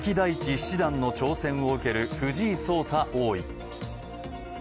七段の挑戦を受ける藤井聡太王位。